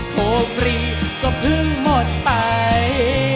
โฟล์ฟรีก็เพิ่งหมดไป